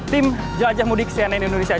tim jelajah mudik cnn indonesia